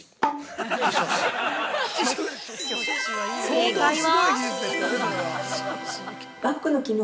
◆正解は！